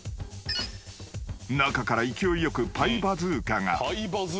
［中から勢いよくパイバズーカが］